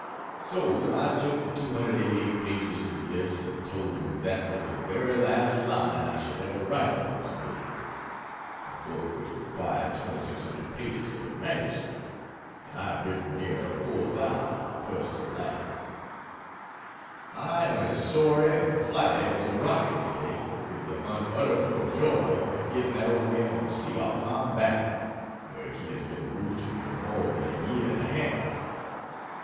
So I took the 288 pages to Bliss and told him that was the very last line I should ever write on this book. (A book which required 2600 pages of MS, and I have written nearer four thousand, first and last.) I am as soary (and flighty) as a rocket, to day, with the unutterable joy of getting that Old Man of the Sea off my back, where he has been roosting for more than a year and a half.